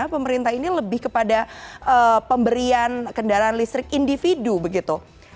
pemerintah ini lebih kepada pemberian kendaraan listrik individu begitu